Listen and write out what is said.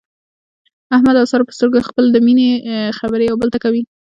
احمد او ساره په سترګو کې خپلې د مینې خبرې یو بل ته کوي.